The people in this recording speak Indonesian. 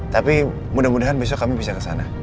tapi mudah mudahan besok kami bisa ke sana